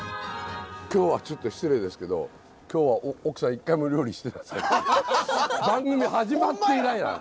今日はちょっと失礼ですけど今日は奥さん一回も料理してない。